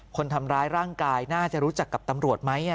คนทำร้ายร่างกายน่าจะรู้จักกับตำรวจไหม